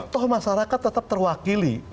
toh masyarakat tetap terwakili